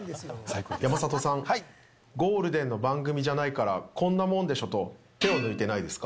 山里さん、ゴールデンの番組じゃないからこんもんでしょと手を抜いてないですか？